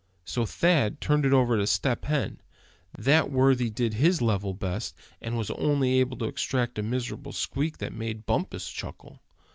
So Thad turned it over to Step Hen. That worthy did his level best, and was only able to extract a miserable squeak that made Bumpus chuckle.